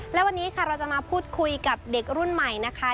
และวันนี้ค่ะเราจะมาพูดคุยกับเด็กรุ่นใหม่นะคะ